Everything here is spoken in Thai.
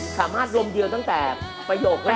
สามารถลมเดียวตั้งแต่ประโยคแรก